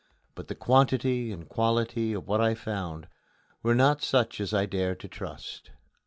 But the quantity and quality of what I found were not such as I dared to trust.